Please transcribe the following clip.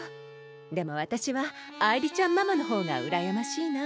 でも私は愛梨ちゃんママの方がうらやましいな。